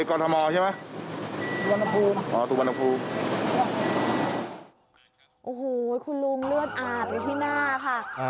โอ้โหคุณลุงเลือดอาบอยู่ที่หน้าค่ะ